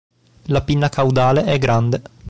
La pinna caudale è grande.